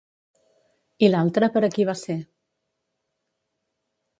I l'altra per a qui va ser?